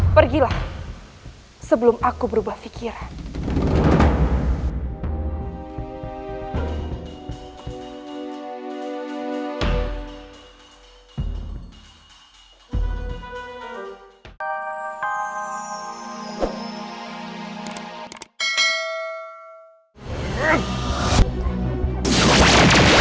pergilah sebelum aku berubah fikiran